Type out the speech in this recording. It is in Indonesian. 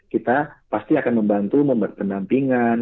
kita pasti akan membantu membuat pendampingan